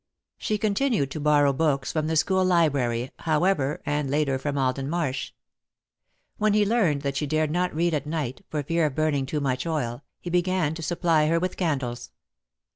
She continued to borrow books from the school library, however, and later from Alden Marsh. When he learned that she dared not read at night, for fear of burning too much oil, he began to supply her with candles.